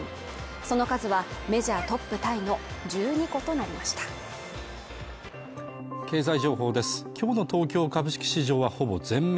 その数はメジャートップタイの１２個となりましたヘイ！